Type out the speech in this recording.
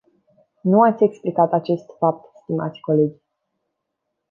Nu ați explicat acest fapt, stimați colegi.